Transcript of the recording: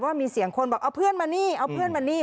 มีเสียงคนบอกเอาเพื่อนมานี่เอาเพื่อนมานี่